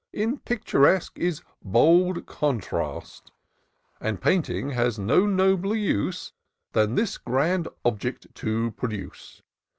In Picturesque, is bold contrast ; And painting has no nobler use Than this grand object to produce.